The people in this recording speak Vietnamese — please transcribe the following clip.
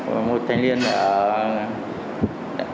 và một thanh niên ở xã cùng xã